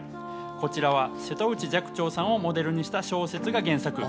こちらは瀬戸内寂聴さんをモデルにした小説が原作。